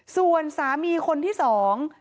ส่วนสามีคนที่สอง